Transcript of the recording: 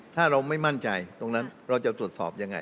ถ้าเราไม่มั่นใจตรงนั้นเราจะตรวจสอบยังไง